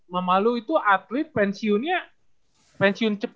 mama lo itu atlet pensiunnya